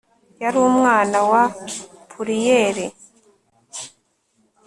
Yari umwana wa Pourrières